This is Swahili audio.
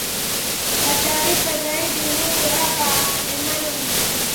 wa taarifa zaidi huyu hapa emanuel makundi